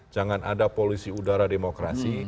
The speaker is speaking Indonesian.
jangan ada polusi udara demokrasi